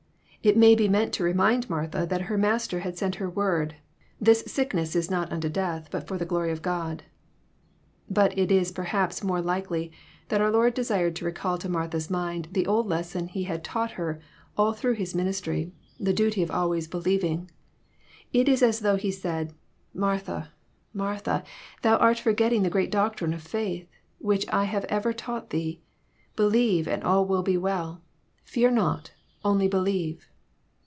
It may be meant to remiod Martha that her Master had sent her word, '^ This sickness is not unto death, but for the glory of God." But it is perhaps more likely that our Lord desired to recall to Martha's mind the old lesson He had taught her all through His ministry, the duty of always believing. It is as though He said, '^ Mar* tha, Martha, ihou art forgetting the great doctrine of faith, which I have ever taught thee. Believe, and all will be well. Fear not : only believe."